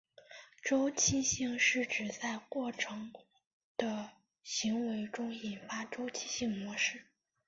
周期性是指在过程的行为中引发周期性模式。